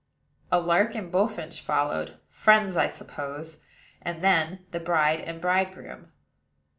A lark and bullfinch followed, friends, I suppose; and then the bride and bridegroom.